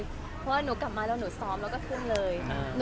เพราะว่าหนูกลับมาแล้วหนูซ้อมแล้วก็ขึ้นเลย